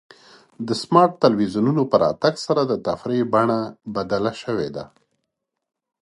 د سمارټ ټلویزیونونو په راتګ سره د تفریح بڼه بدله شوې ده.